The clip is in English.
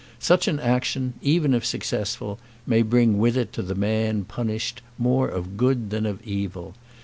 Such an action, even if successful, may bring with it to the man punished more of good than of evil.